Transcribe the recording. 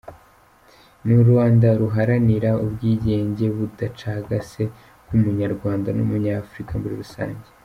Ni u Rwanda ruharanira ubwigenge budacagase bw’umunyarwanda n’umunyafurika muri rusange.